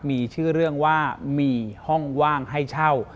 มีชื่อเรื่องว่ามีห้องว่างให้เช่า